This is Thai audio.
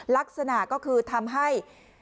ลักษณะก็คือทำให้